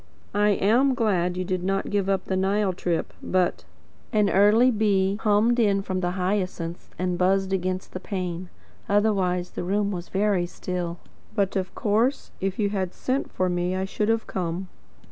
"I am glad you did not give up the Nile trip but " An early bee hummed in from the hyacinths and buzzed against the pane. Otherwise the room was very still. "but of course, if you had sent for me I should have come."